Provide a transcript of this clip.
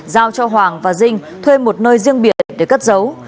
giao cho hoàng và dinh thuê một nơi riêng biệt để cất giấu